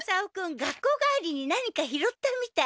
学校帰りに何か拾ったみたい。